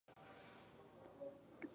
留职停薪复职者